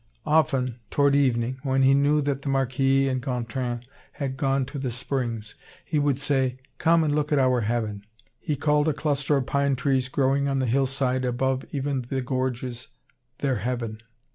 Often, toward evening, when he knew that the Marquis and Gontran had gone to the springs, he would say, "Come and look at our heaven." He called a cluster of pine trees growing on the hillside above even the gorges their heaven.